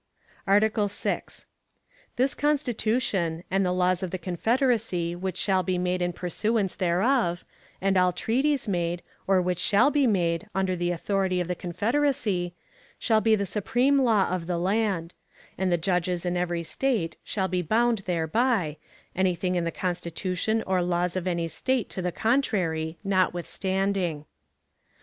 ARTICLE VI. 1. This Constitution, and the laws of the Confederacy which shall be made in pursuance thereof, and all treaties made, or which shall be made, under the authority of the Confederacy, shall be the supreme law of the land; and the judges in every State shall be bound thereby, anything in the Constitution or laws of any State to the contrary notwithstanding.